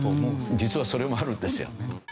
実はそれもあるんですよね。